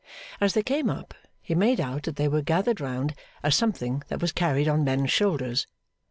As they came up, he made out that they were gathered around a something that was carried on men's shoulders.